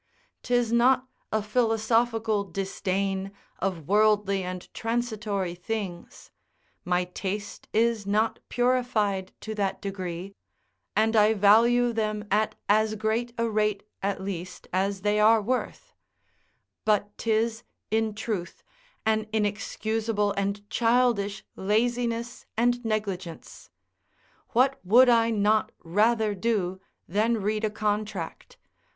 'Tis not a philosophical disdain of worldly and transitory things; my taste is not purified to that degree, and I value them at as great a rate, at least, as they are worth; but 'tis, in truth, an inexcusable and childish laziness and negligence. What would I not rather do than read a contract?